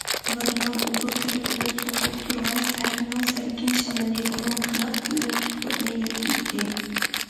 ئۇلارنىڭ ئۇدۇل تەرىپىدىن سوقۇپ تۇرغان سەھەرنىڭ سەلكىن شامىلى ئۇنىڭ قېنىق بويۇن تۈكلىرىنى يەلپۈيتتى.